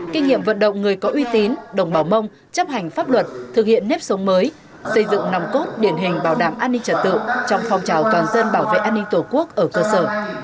kinh nghiệm vận động người có uy tín đồng bào mông chấp hành pháp luật thực hiện nếp sống mới xây dựng nòng cốt điển hình bảo đảm an ninh trật tự trong phong trào toàn dân bảo vệ an ninh tổ quốc ở cơ sở